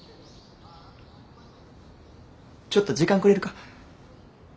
ちょっと時間くれるか。